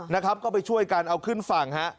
นะครับก็ไปช่วยกันเอาขึ้นฝั่งฮะ